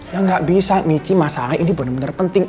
ya gak bisa michi masalahnya ini bener bener penting